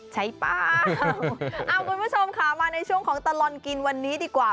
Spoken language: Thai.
ใช่เปล่าเอาคุณผู้ชมค่ะมาในช่วงของตลอดกินวันนี้ดีกว่า